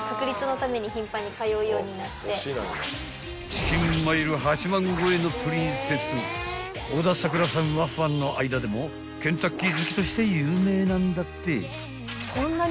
［チキンマイル８万超えのプリンセス小田さくらさんはファンの間でもケンタッキー好きとして有名なんだって］